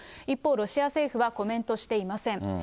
一方、ロシア政府はコメントしていません。